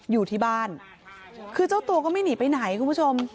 อยู่ที่บ้านคือเจ้าตัวก็ไม่หนีไปไหนคุณผู้ชม